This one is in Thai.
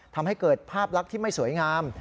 ทำให้เกิดภาพลักษณ์ที่ไม่สวยงาม